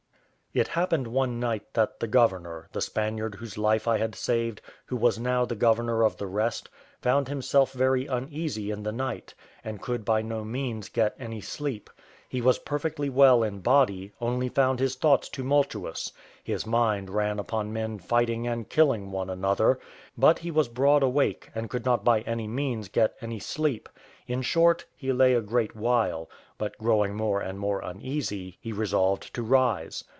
It happened one night that the governor, the Spaniard whose life I had saved, who was now the governor of the rest, found himself very uneasy in the night, and could by no means get any sleep: he was perfectly well in body, only found his thoughts tumultuous; his mind ran upon men fighting and killing one another; but he was broad awake, and could not by any means get any sleep; in short, he lay a great while, but growing more and more uneasy, he resolved to rise.